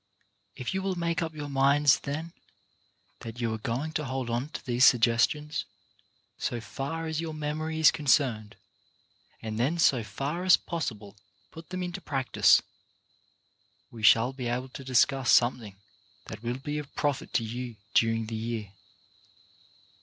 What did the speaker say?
If you will make up your minds, then, that you are going to hold on to these suggestions, so far as your memory is concerned, and then so far as possible put them into practice, we shall be able to discuss something that will be of profit to you during the year.